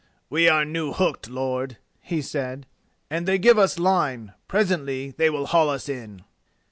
"We are new hooked, lord," he said, "and they give us line. Presently they will haul us in."